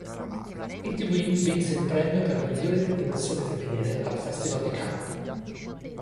Kitty Winn vinse il premio per la migliore interpretazione femminile al Festival di Cannes.